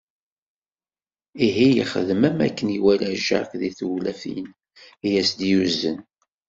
Ihi yexdem am akken iwala Jack di tewlafin i as-d-yuzen.